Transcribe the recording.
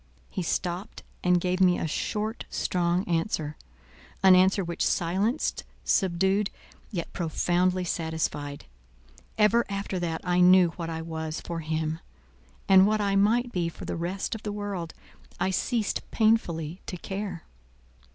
He stopped, and gave me a short, strong answer; an answer which silenced, subdued, yet profoundly satisfied. Ever after that I knew what I was for him; and what I might be for the rest of the world, I ceased painfully to care.